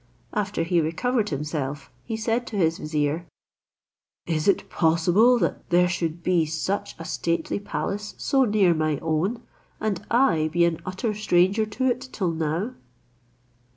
After he recovered himself, he said to his vizier, "Is it possible that there should be such a stately palace so near my own, and I be an utter stranger to it till now?"